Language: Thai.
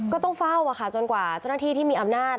ก็ต้องเฝ้าจนกว่าเจ้าหน้าที่ที่มีอำนาจ